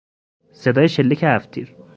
صدای شلیک هفتتیر